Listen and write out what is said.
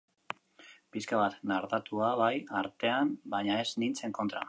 Pixka bat nardatua, bai, artetan, baina ez nintzen kontra.